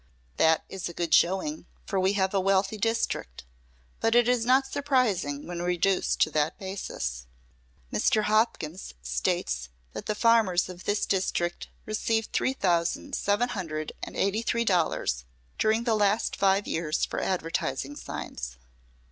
That is a good showing, for we have a wealthy district; but it is not surprising when reduced to that basis. Mr. Hopkins slates that the farmers of this district received three thousand, seven hundred and eighty three dollars during the last five years for advertising signs.